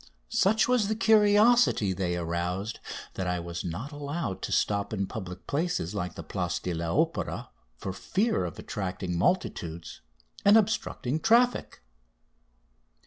Such was the curiosity they aroused that I was not allowed to stop in public places like the Place de l'Opéra for fear of attracting multitudes and obstructing traffic.